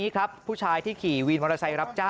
ขอบคุณครับ